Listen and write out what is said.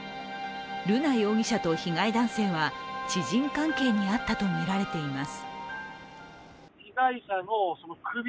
瑠奈容疑者と被害男性は知人関係にあったとみられています。